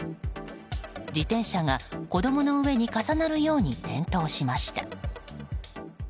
自転車が子供の上に重なるように転倒しました。